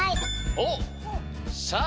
おっさあ